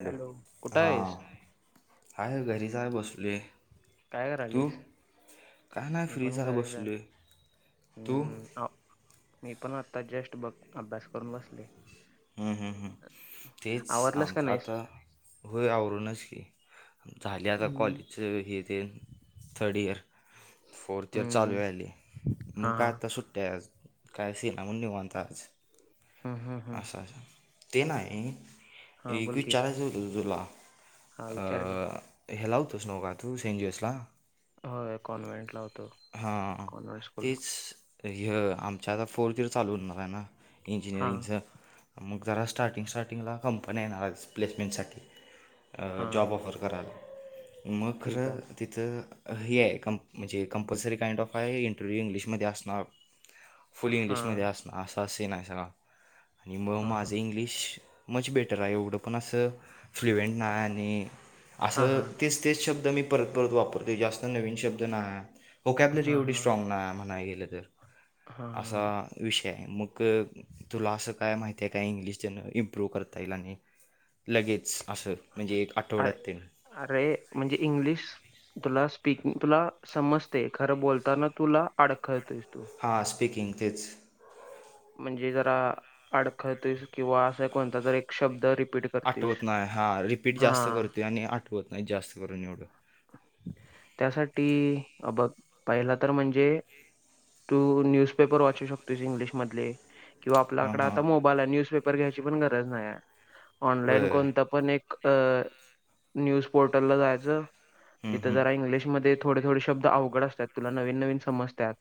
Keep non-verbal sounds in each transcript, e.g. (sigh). Hello, कुठं हा, आहेस आहे घरीच हाय बसलोय. काय करायलईस? का नाही फ्री च हाय बसलोय, तू? हम्म, आ- मी पण आत्ता जेस्ट बघ, अभ्यास करून बसलोय. हम्म, हम्म, हम् तेच आवरलंस का आमचं नाहीस आता होय आवरूनच की, झाले आता हम्म कॉलेज हे तेन थर्ड ईयर. फोर्थ इयर चालू हम्म व्हायलीय, मग हां काय हां आत्ता सुट्टी हाय आज, काय सि निवांत हाय आज. हम्म हम्म हम्म अच्छा -आस ते नाही हां एक बोल की विचारायचं तुला? हां विचार की अं, हेला होतंस नव्ह का तू, सी. एन. जे. एस ला? हो कॉन्व्हेंटल होतो कॉन्व्हेंट स्कूलला. तर हय, आमच्या आता फोर्थ इयर चालू होणार आहे ना. हां इंजिनिअरिंग मग जरा, स्टार्टिंग -स्टार्टिंगला कंपन्या येणार आज प्लेसमेंटसाठी. अं, हां जॉब ऑफर करायला, मगं ठीक आहे खरं तिथं हे हाय कं, म्हणजे कंपल्सरी काइंड ऑफ हाय इंटरव्ह्यू इंग्लिशमध्ये असणार. (inaudible) फुल हां इंग्लिशमध्ये असण, असां सिन हाय सगळा. आणि मग हां हां माझं इंग्लिश मच बेटर हाय, एवढं पण असं फ्लुएंट नाही आणि हां असं हां तेच -तेच शब्द मी परत- परत वापरतोय जास्त नवीन शब्द ना, होकॅबलरी हां हां एवढी हां स्ट्राग नाय म्हणाय गेल तर. असा हां विषय हाय मग. तुला असं काय माहिती आहे काय? इंग्लिश ज्यानं इम्प्रूव्ह करता येईल आणि लगेच असं- म्हणजे एक आठवड्यात अरे तेन. अरे, म्हणजे इंग्लिश- तुला स्पीकिंग. तुला समजते खरं बोलताना तुला अडखळतोयस तू. हां. स्पीकिंग तेच. म्हणजे जरा अडखळतोयस किंवा अस कोणतातरी एक शब्द जरा रिपीट- करतेस आठवत नाही. हा. रिपीट हा जास्त करतोय आणि आठवत नाही जास्त करून एवढं. त्यासाठी अ बघ पहिला तर म्हणजे- तू न्यूजपेपर वाचू शकतोस इंग्लिश मधले. किंवा हां आपल्याकडे हां आता मोब - ला न्यूजपेपर घ्यायची पण गरज नाहीए. ऑनलाईन होय कोणत- पण एक अ न्यूज पोर्टलला जायचं. हं तिथं हं जरा इंग्लिशमध्ये- थोडे थोडे शब्द अवघड असतात. तुला नवीन नवीन समजत्यात.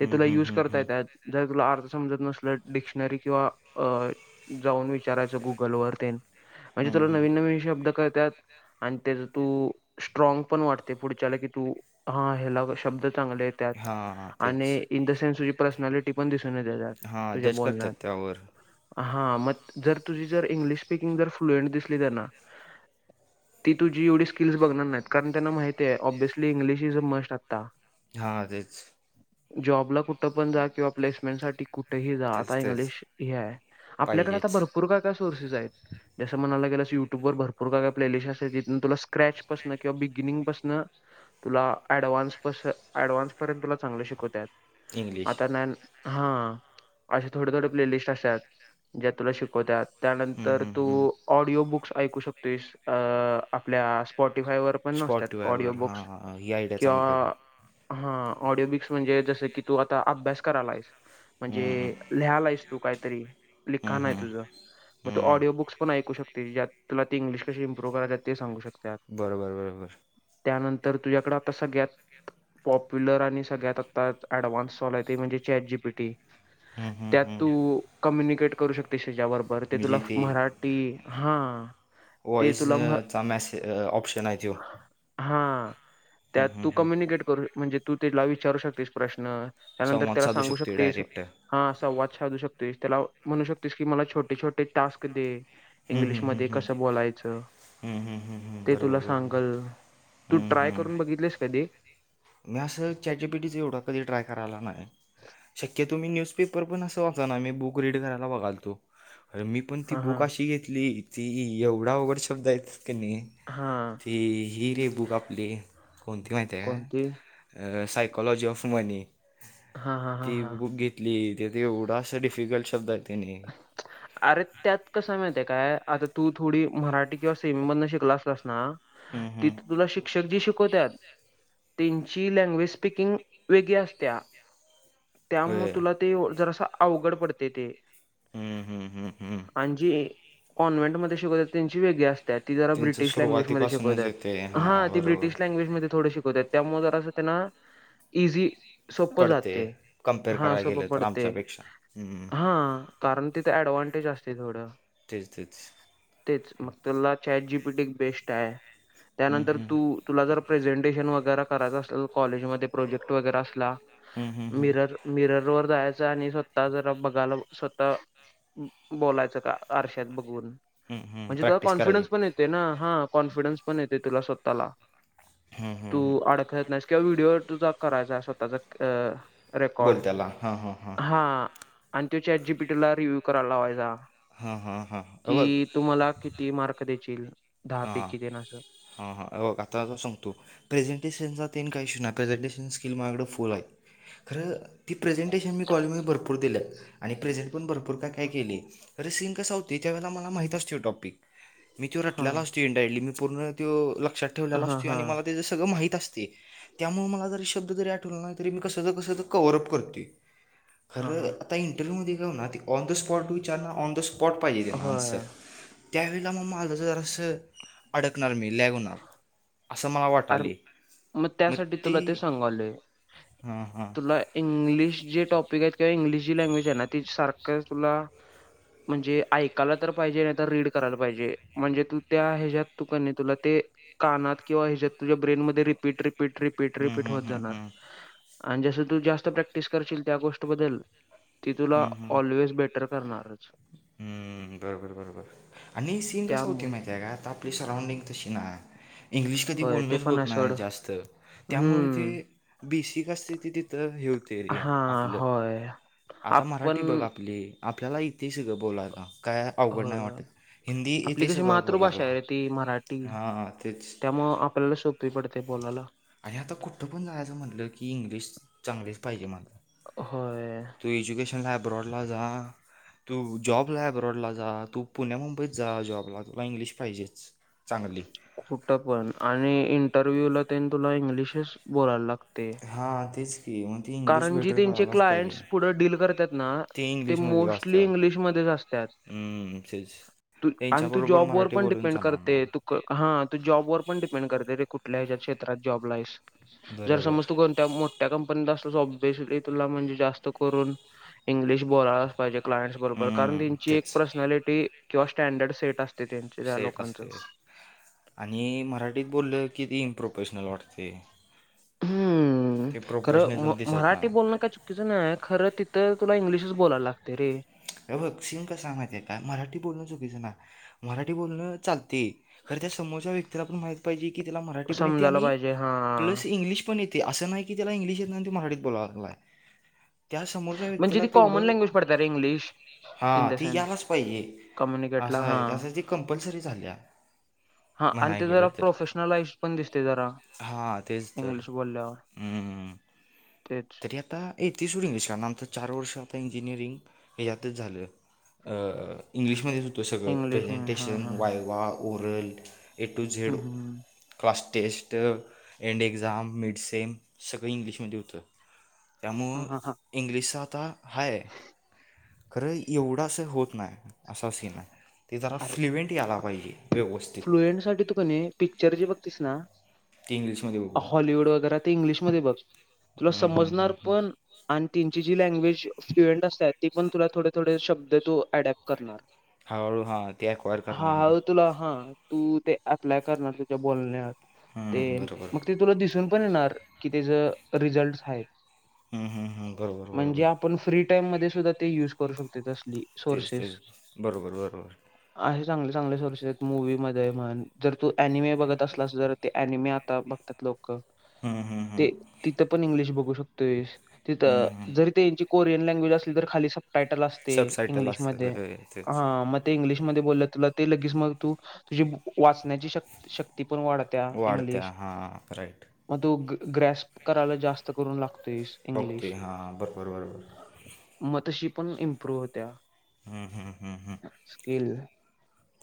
ते हं तुला हं युज हं करता हं येतात. जर तुला अर्थ समजत नसल डिक्शनरी किंवा अ- जाऊन विचारायचं गुगल वर ते न. आणि हं तुला हं नवीन नवीन शब्द कळत्यात- आणि त्याच तू, स्ट्रॉंग पण वाटते पुढच्याला की तू- हा. हेला शब्द चांगले येत्यात. हां. हां. तेच आणि इन द सेन्स तुझी पर्सनाॅलिटी पण दिसून येते त्यात. हां तुझ्या जज करतात बोलण्यात. त्यावर हां. मग जर तुझी जर इंग्लिश स्पीकिंग जर फ्लुएंट दिसली त्यांना - ती तुझी एवढी स्किल्स बघणार नाहीत. कारण त्यांना माहितीय ऑबीयसली इंग्लिश इज मस्ट आत्ता. हा. तेच. जॉबला कुठं पण जा. किंवा प्लेसमेंट साठी- कुठेही जा. तेच आता तेच इंग्लिश हे आहे. आपल्याकडे आता पाहिजेच भरपूर- - र काय काय सोर्सेस आहेत. जसे म्हणायला गेल्यास युट्यूब वर भरपूर काय काय प्ले लिसेस आहे तिथन तुला - क्रॅच पासन किंवा बिगनिंग पासन तुला ऍडव्हान्सपास ऍडव्हान्स पर्यंत तुला - चांगल शिकवतायत. इंग्लिश आता नाही, हा. असे थोडे थोडे प्लेलिस्ट असतात. ज्या तुला शिकवत्यात. हम्म, त्यानंतर हम्म, तू हम्म. ऑडिओ बुक्स ऐकू शकतोस अ- आपल्या स्पॉटिफाय वर पण असत्यात ऑडिओ स्पॉटीफायवर हां बुक्स हां ही आयडिया चांगली आहे बघ किंवा- हा. ऑडिओ बुक्स म्हणजे जसं की तू आता अभ्यास करायलाएस हम्म, हम्म, म्हणजे- लिहायलाएस आहेस तू काहीतरी. हम्म, लिखाण आहे हम्म, तुझं. म तू हम्म. ऑडिओ बुक्स पन ऐकू शकते ज्यात तुला ते इंग्लिश कशी इम्प्रूव करायच ते सांगू शकत्यात. बरो बर. त्यानंतर तुझ्याकडें आता सगळ्यात पॉप- -प्युलर आणि सगळ्यात आता ॲडवान्स वालाय ते म्हणजे चॅट जी पी टी. हम्म, त्यात हम्म. तू कम्युनिकेट करू शकतेय ज्यावर- बरं ते तुला मराठी हा. व्हॉइस चा मेसे ऑप्शन आहे त्यो. हां. त्यात तू कम्युनिकेट करू- म्हणजे तू ते लाईव्ह विचारू शकतेस प्रश्न. त्यानंतर संवाद त्याला साधू सांगू शकतो शकतेस डायरेक्ट हम्म, - हां. संवाद साधू शकतेस. त्याला म्हणू शकतेस की मला छोटे छोटे टास्क दे. हम्म, हम्म, इंग्लिशमधे हम्म. कसं बोलायचं? हम्म, हम्म, हम्म, हम्म. ते बरोबर तुला सांगल. बरोबर तू हम्म, ट्राय हम्म. करून बघितलेस कधी? मी असं चॅट जि पि टीच एवढं कधी ट्राय करायला नाही. शक्यतो मी न्यूजपेपर पण असं वाच ना. मी बुक रीड करायला बघायलतो. अरे मी- पण ती हा हा बुक अशी घेतली. ती एवढा अवघड शब्द आहेत क नाही. हा ती ही रे बुक आपली कोणती माहिती का? कोणती अं सायकॉलॉजी ऑफ मनी हा हा हा ती हा बुक घेत ली त्यात एवढा अस डिफिकल्ट शब्द आहे त्यांनी (inaudible) अरे त्यात कस माहतीय काय, आता तू थोडी मराठी किंवा सेमीमधन शिकला असतास ना. हूं हूं! तिथे तुला शिक्षक जी शिकवत्यात. त्यांची लँग्वेज स्पिकिंग वेगळी असत्या. होय. त्यामुळे तुला ते जरास अवघड पडते ते. हूं हूं हूं हूं! आण जी कॉन्व्हेंट मध्ये शिकवत्यात त्यांची वेगळी असत्यां ती जरा त्यांचं ब्रिटिश लँग्वेजमध्ये सुरुवातीपासूनच येते शिकवत्यांत हा हां ती बरोबर ब्रटिश लँग्वेजमध्ये थोड शिकवत्यांत. त्या मूळ जरासं त्यांना इजी. सोपं पडते जातंय कम्पेअर हा करायला सोप गेलं तर पडतेय आमच्यापेक्षा हम्म, हा! कारण तिथं ऍडव्हांटेज असतेय थोडं. तेच, तेच. तेच मग त्याला चाट जीपी टी क बेस्ट आहे हम्म, त्यानंतर हम्म. तू तुला जर प्रेझेंटेशन वगैरे करायचा असल कॉलेजमध्ये प्रोजेक्ट वगैरे असला हम्म, हम्म, हम्म. मिरर मिरर वर जायचं आणि स्वतः जरा बघायला स्व तां बोलायचं का आरश्यात बघून हं, हं, म्हणजे जरा प्रॅक्टिस करायची. कॉन्फिडन्स पण ये तेय ना हा कॉन्फिडनस पण येते तुला स्वतःला हं, तू हं, हं. आड कळतं नाहीस किंवा व्हिडिओवर (unintelligible) करायचाय स्वतःचा अं. रेकॉर्ड बोल त्याला. हां, हां, हां. हा आणि त्यो चाट जीपी टीला रिव्यू करायला लावायचा. हा हा हा हा अ बग. तु मला किती मार्क देचील, दहा पैकी देण असल. हा हा हे बग आता असं सांगतो. प्रेझेंटेशनचा तेन काही इशू नाही प्रेझेंटेशन स्किल माझ्याकडं फुल आहे खरं ती प्रेझेंटेशन मी कॉलेजमध्ये भरपूर दिलंय आणि प्रेझेंट पण भरपूर काय, काय केलय. अरे सिन कसां होतोय त्यावेळे ला मला माहित असत्यो टॉपिक मी त्यो हा लगास ती इंडायली मी पूर्ण त्यो लक्षात ठेवलेला हा असंतुया हा आणि मला ते सगळं माहीत अस त्ये त्यामुळ मला जरी शब्द जरी आठवला नाही तरी मी कस ना कस तं कव्हरं अप करत्योय. हा खरं हा आता इंटरव्ह्यूमध्ये का होना ते ऑन द स्पॉट विचारणार ऑन द स्पॉट पाहिजे त्यांना आन्सर. होय त्यावेळेला म माझं जरास अडकणार मी लॅगहोणार. असं मला अरे वाटाले मग म त्यासाठी ते तुला सांगालोय हा हां. तुला इंग्लिश जे टॉपिक आहेत किंवा इंग्लिश जी लँग्वेज आहे ना तीचं सारखंच तुला. म्हणजे याकाला तर पाहिजे नाही तर रीड करायला पाहिजे, म्हणजे तू त्या ह्याच्यात तु कनी तुला ते. कानात किंवा ह्याच्यात तुझ्या ब्रेन मध्ये रिपीट रिपीट रिपीट हम्म, रिपीट हम्म, होत हम्म, जाणार हम्म, आणि जसं तू जास्त प्रॅक्टिस करशील त्या गोष्ट बद्दल ती तुला ऑलवेज बेटर करणारच. हूं बरोबर बरोबर आणि सींन कसां होत्योय त्यामुळे माहिती आहे का ताप आपली सराऊडिंग तशी नाय. इंग्लिश कधी होय ते बोललच पण होत आहे सोड नाही जास्त त्यामुळ ते. हम्म बेसिक असते ते तिथं हे होत य हा आपलं होय आता आपण मराठी बघ आपली आपल्याला यीतीय सगळ बोलायला. काय अवघड नाही होय वाटत, हिंदी आपली येते कशी सगळं मातृभाषा बोलायला आहे रे ती मराठी हां तेच. त्यामुळं आपल्याला सोपी पडते बोलाला. आणि आता कुठं पण जायचं म्हटलं की इंग्लिश चांगलीच पाहिजे मर्दा होय तु एजुकेशन अब्रोडला जा. तु जॉबला आहे हे अब्राडला जा तु पुण्या मुंबईत जा जॉबला तुला इंग्लिश पाहिजेच. चांगली कुठं पण आणि इंटरव्ह्यू ला त्यान तुला इंग्लिशच बोलायला लागते. हा तेच की ती इंग्लिश कारण जी बेटर त्यांचे करायलाच पाहिजे क्लाइंट्स पुढे डील करतात ना ते इंग्लिशमध्ये मोस्टली वाचतात इंग्लिशमध्येच असतात. हम्म तेच आणि तु त्यांच्याबरोबर जॉब वर मराठी पण बोलून डिपेंड चालणार ना करते तु हा तु जॉबवर पण डिपेंड करते रे कुठल्या ह्या क्षेत्रात जॉबला आहेस. जर बरोबर समज तो कोणत्या मोठ्या कंपनीचा असं अभ्यासली तुला जास्त करून इंग्लिश बोलायला पाहिजे क्लायंटस बरोबर कारण हम्म, त्यांची एक तेच पर्सनॅलिटी किंवा स्टँडर्ड सेट असतं. सेट असतं. आणि मराठीत बोललं कि ती इम्प्रोफेशनल वाटतंय. हम्म खरं म प्रोफेशनलिझम दिसत मराठी नाही बोलणं काय तिथं नाही खरं तिथं तुला इंग्लिशच बोलायला लागते रे. हे बघ सीन कसा आहे माहिती काय मराठी बोलण चुकीचं नाय मराठी बोलणं चालते खरं त्या समोरच्या व्यक्ती तिला पण माहित पाहिजे कि तिला मराठी पण येते समजायला आणि पाहिजे हां. प्लस इंग्लिश पण येते. ते असं नाही की त्याला इंग्लिश येत नाही तो मराठीत बोलायला लागला आहे त्यासमोरच्या म्हणजे व्यक्तीला ती कॉमन तेवढं लँग्वेज पडते रे इंग्लिश हा इन द ती सेन्स यायलाच पाहिजे कम्युनिकेटला असंय हा आहे त्यासाठी ती कंपल्सरी झाली. हा आणि ते जरा प्रोफेशनलाईफ पण दिसते जरा हा तेच तर इंग्लिश बोलल्यावर हम्म तेच ते आता येतय सोड इंग्लिश कारण आमचं चार वर्ष आता इंजिनिअरिंग हेच्यातच झालं. अ इंग्लिशमध्येच होतं सगळं इंग्लिश हम्म, हा प्रेझेंटेशन हा viva oral A to Z. हम्म, हम्म. Class test end exam mid sem सगळं इंग्लिशमध्ये होतं. हा त्यामुळं हा हा इंग्लिशच आता हाय खरं एवढं असं होत नाही असा सीन आहे. ते जरा अरे फ्लुएंट याला पाहिजे व्यवस्थित. फ्लुएंट साठी तू कने पिक्चर जे बघतीस ना ते इंग्लिमध्ये हो हॉलिवूड वगैरे ते इंग्लिशमध्ये बघ तुला हम्म, हम्म, समजणार हम्म, हम्म. पण आणि त त्याची जी लँग्वेज फ्लुएंट असतात ती पण तुला थोडे थोडे शब्द तु अडॅप्ट करणार. हळुहळु हा हा तुला हा तू ते अप्लाय करणार तुझ्या बोलण्यात ते हम्म, बरोबर मग ते तुला दिसुन पण येणार कि रिझल्ट हम्म, हम्म, हम्म, बरोबर बरोबर म्हणजे आपण फ्री टाईम मध्ये सुद्धा ते युज करू शकते तसं तेच तेच बरोबर बरोबर. असे चांगले चांगले सोर्सेस आहेत मूवी मध्ये म्हण जर तु ऍनिमे बघत असलास जर ते ऍनिमे आता बघतात लोक हम्म हम्म ते हम्म तिथं पण इंग्लिश बघू शकतोय. हम्म तिथं हम्म. जरी ते त्यांची कोरियन लँग्वेज असली तर खाली सब टायटल असतं. ते सबसायटल असतात इंग्लिशमधे. होय तेच हं. मग - इंग्लिशमधे बोललं तुला ते लगेच मग तू तुझी वाचण्याची शक -शक्ती पण वाढ- वाढते हां. राईट. म तू ग्रास्प करायला जास्त करून लागतोयस बघतोय इंग्लिश. हां बरोबर बरोबर म तशी पण इम्प्रूव्ह होतेया. हम्म. हम. हम. हं. स्कील.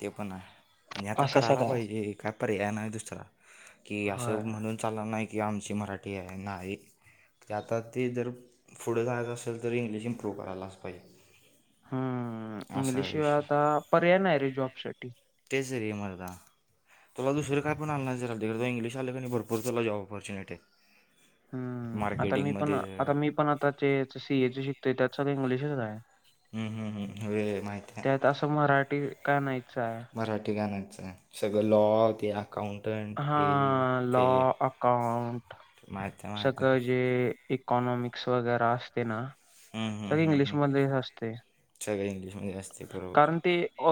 ते पण आहे. आणि आता असा करायला सगळा. पाहिजे काय पर्याय नाही दुसरा. कि होय. असं म्हणून चालणार नाही की आमची मराठी आहे नाही. क आता ते जर पुढं जायचं असेल तर इंग्लिश इम्प्रूव्ह करायला लागतंय. हम्म. इंग्लिशशिवाय विषय आता पर्याय नाही रे जॉब साठी. तेच रे मर्दा. तुला दुसरं काय पण आलं नाही (unintelligible) इंग्लिश आल की नाही भरपूर तुला जॉब अपोर्च्युनिटीए. हम्म. आता मी पण आता मी पण आता ते सी ए च शिकतोय. त्यात सगळ इंग्लिशच आहे. हम्म. हम्. हम्म. होय माहितय. त्यात असं मराठी का नाहीचं (unintelligible) मराठी गाण्याचं ए. सगळं (unintelligible) अकाउंटंट. हे हां. लॉ ते अकाउंट माहित आहे माहित आहे. सगळं जे- इकॉनॉमिक्स वगैरे असते ना? हम्म हम्म सगळे हम्म हम्म इंग्लिशमध्येच असते. सगळं इंग्लिशमध्ये असते कारण बरोबर ते- अ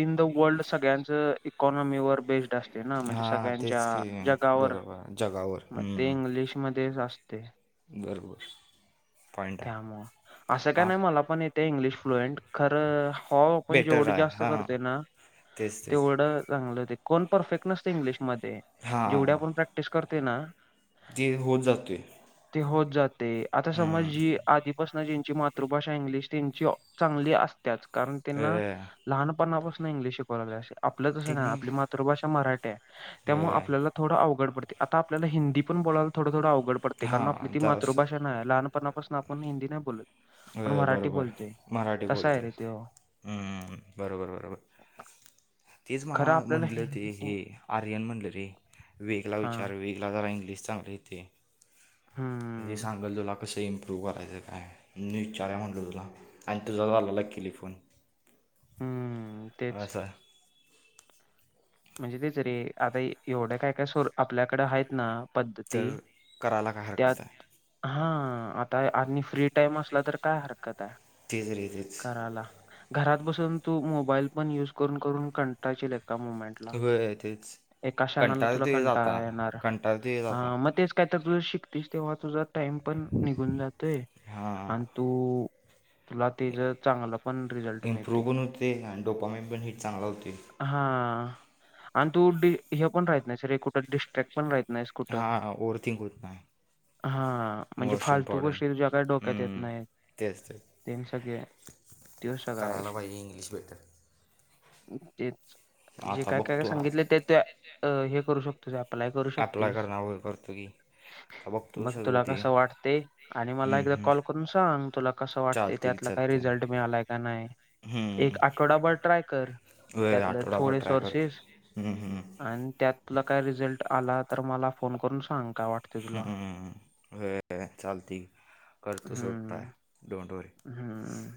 इन द वर्ल्ड सगळ्यांच इकॉनॉमीवर बेस्ड असते ना? म्हणजे- हां सगळ्यांच्या तेच की जगावर. बरोबर जगावर म ते हम्म इंग्लिश मध्येच असते. बरोबर. पॉईंट आहे. त्याम- असं काय हा नाही मला पण येतय इंग्लिश फ्लुएंट. खर हाव आपण बेटर जेवढी आहे जास्त हां करतोय ना? तेच तेच तेवढं चांगलं ते. कोण परफेक्ट नसतय इंग्लिशमध्ये. जेवढ हां आपण प्रॅक्टिस करतोय ना? ते होत जातय. ते होत जाते. आता समज जी आधीपास- -सन ज्यांची मातृभाषा इंग्लिश, त्यांची चांगली असतेयाच कारण अ त्यांना- लहानपणापासून इंग्लिश शिकवला लागली. आपलं तसं नाही त्यांनी आपली मातृभाषा मराठी आहे. त्यामुळ आपल्याला- अ थोडं अवघड पडते. आता आपल्याला हिंदी पण बोलायला थोडंथोडं अवघड पडते. कारण आपली हां ती जरासं मातृभाषा नाही ए. लहान- -पणा पासून आपण हिंदी नाही बोलत. होय. मराठी बरोबर बोलतोय मराठी तसं बोलते. आहे रे ते हो. हं. बरोबर बरोबर. तेच खरं मला आपल्याला म्हटलं ते हिं- हे. हि- आर्यन म्हणलं रे, वेदला हा विचार वेदला जरा इंग्लिश चांगल येतंय. जे हम्म सांगल तुला. कसं इम्प्रूव्ह करायचं काय? मी विचाराव म्हटलं तुला आणि (unintelligible) केेल फोन. हम्म. तेच अस. म्हणजे तेच रे. आता एवढ काय काय सोड. आपल्याकडे आहेत ना? पद्धती तर करायला काय त्यात, हरकत आहे हां. आणि फ्री टाइम असला तर काय हरकत आहे तेच रे तेच करायला? घरात बसून तू मोबाईल पण युज करून करून कंटाळशील लेका म - होय तेच एका क्षणाला तुला कंटाळतो येत कंटाळा आता येणार कंटाळतो येत आता हा मग तेच काय तर तुझं शिकतीस तेव्हा तुझा टाइम पण निघून जातोय हां आणि तु तुला तीज चांगला पण रिझल्ट मिळते. इम्प्रूव्ह पण होते आणि डोपामेंट पण हिट चांगला होते हा आणि तू हे पण राहत नाही रे कुठं डिस्ट्रॅक्ट पण राहत नाहीस हां ओवरथिंक होत नाही. हा म्हणजे मोस्ट फालतू इम्पॉर्टंट गोष्टी तुझ्या काय डोक्यात येत हम्म, नाहीत. तेच तेच ते सगळे तो सगळा करायला विषय. पाहिजे इंग्लिश बेटर तेच आता बघ सागितलं ते ते हे करू शकतो तुझ अप्लाय करू ॲप्लाय शकतेस करणार वगैरे करतो की आता बघतो बघ सगळं तुला ते कसं वाटते आणि मला हम्म, एकदा हम्म. कॉल करून सांग तुला कसं वाटते चालते की त्यातला काय चालते रिझल्ट मिळालाय का नाही. एक हम्म आठवडाभर ट्राय कर. होय त्यातले आठवडाभर थोडे ट्राय कर. सोर्सेस आणि त्यातुला काय रिझल्ट आला तर मला फोन करून सांग का वाट चालते करतो सोड ट्राय हम्म डोंट वरी हम्म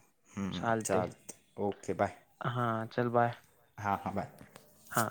चालतंय चालते ओके बाय हा चल बाय हां हां बाय हां